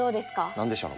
何でしょう？